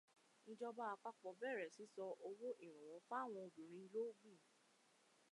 Ìjọba àpapọ̀ bẹ̀rẹ̀ sísan owó ìrànwọ́ fáwọn obìnrin l'Ógùn.